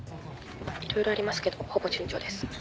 色々ありますけどほぼ順調です。